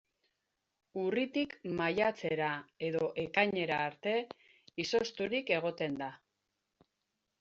Urritik maiatzera edo ekainera arte izozturik egoten da.